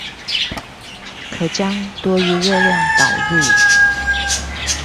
可將多餘熱量導入